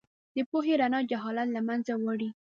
د پوهې رڼا جهالت له منځه وړي.